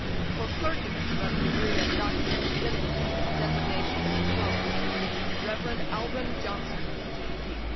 For clergymen who have the degree of Doctor of Divinity, the designation is as follows: Rev. Alban Johnson, D. D.